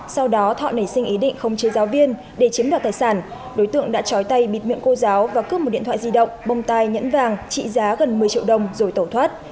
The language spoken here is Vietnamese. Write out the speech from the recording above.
sau đó thọ nảy sinh ý định không chế giáo viên để chiếm đoạt tài sản đối tượng đã chói tay bịt miệng cô giáo và cướp một điện thoại di động bông tai nhẫn vàng trị giá gần một mươi triệu đồng rồi tẩu thoát